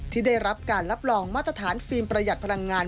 ที่ได้รับการรับรองมาตรฐานฟิล์มประหยัดพลังงาน